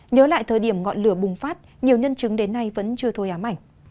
nhớ lại thời điểm ngọn lửa bùng phát nhiều nhân chứng đến nay vẫn chưa thôi ám ảnh